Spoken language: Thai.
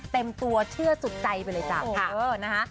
เต็มตัวเชื่อสุดใจไปเลยจ้ะนะคะ